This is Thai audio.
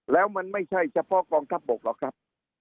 แล้วมันไม่ใช่เฉพาะกองทัพบกหรอกครับ